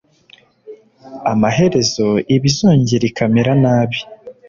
amaherezo iba izongera ikamera nabi.